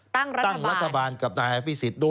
ตั้งรัฐบาลกับนายอภิษฎด้วย